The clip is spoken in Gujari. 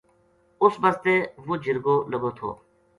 اس بسطے وہ جرگو لگو تھو